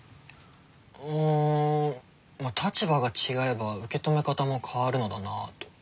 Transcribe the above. うんまあ立場が違えば受け止め方も変わるのだなあと。